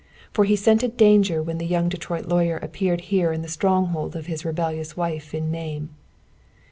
For he scented danger when the young Detroit lawyer appeared here in the stronghold of his rebellious wife in name.